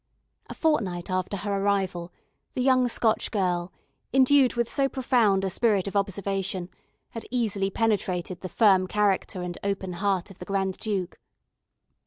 A fortnight after her arrival, the young Scotch girl, endued with so profound a spirit of observation, had easily penetrated the firm character and open heart of the Grand Duke.